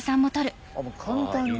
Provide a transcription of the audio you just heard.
簡単に。